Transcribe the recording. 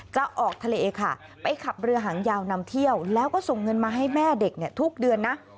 จะออกทะเลค่ะไปขับเรือหางยาวนำเที่ยวแล้วก็ส่งเงินมาให้แม่เด็กทุกเดือนนะ